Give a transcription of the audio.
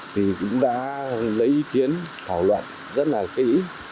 thì cũng đã lấy ý kiến thảo luận rất là kỹ